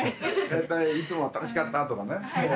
大体いつもは「楽しかった」とかね